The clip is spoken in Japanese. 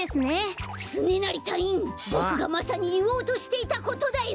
つねなりたいいんボクがまさにいおうとしていたことだよ！